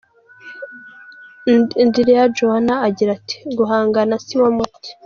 Ndriarijoana agira ati: Guhangana siwo muti.